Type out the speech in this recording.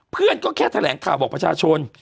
เพื่อนก็แค่แทงแถวของประชาชน